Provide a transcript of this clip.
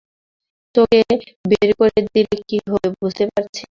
তোকে বের করে দিলে কি হবে বুঝতে পারছিস?